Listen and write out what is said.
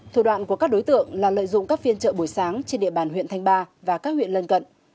thủ đoạn của các đối tượng là lợi dụng các phiên chợ buổi sáng trên địa bàn huyện thanh ba và các huyện lân cận